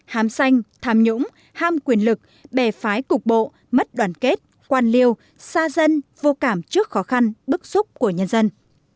hàm xanh tham nhũng ham quyền lực bè phái cục bộ mất đoàn kết quan liêu xa dân vô cảm trước khó khăn bức xúc của nhân dân